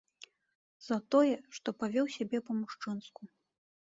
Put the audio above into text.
За, тое, што павёў сябе па-мужчынску.